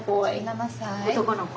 男の子。